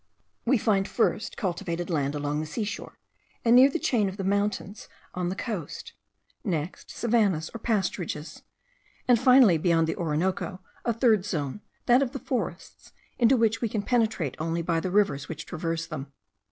We find, first, cultivated land along the sea shore, and near the chain of the mountains on the coast; next, savannahs or pasturages; and finally, beyond the Orinoco, a third zone, that of the forests, into which we can penetrate only by the rivers which traverse them.